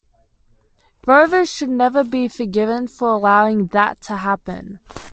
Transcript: Rovers should never be forgiven for allowing that to happen.